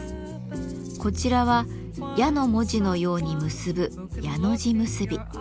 こちらは「矢」の文字のように結ぶ「やの字結び」。